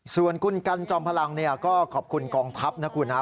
ส่วนกรุณกันธรรมดาพรังก็ขอบคุณกองทัพนะครูนา